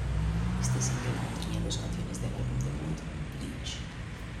Éste single contenía dos canciones del álbum debut "Bleach".